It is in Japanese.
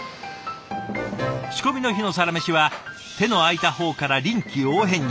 仕込みの日のサラメシは手の空いた方から臨機応変に。